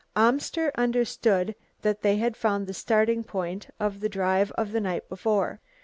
Amster understood that they had found the starting point of the drive of the night before.